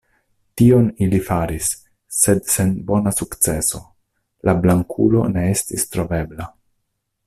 Tion ili faris, sed sen bona sukceso; la Blankulo ne estis trovebla.